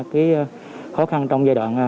cái khó khăn trong giai đoạn